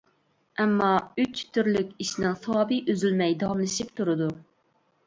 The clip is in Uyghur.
ئەمما ئۈچ تۈرلۈك ئىشنىڭ ساۋابى ئۈزۈلمەي داۋاملىشىپ تۇرىدۇ.